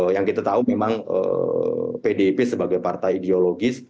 yang kita tahu memang pdip sebagai partai ideologis